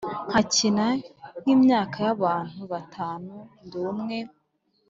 nkakina nk'imyanya y’abantu batanu ndi umwe,